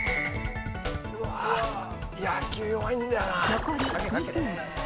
うわ野球弱いんだよな。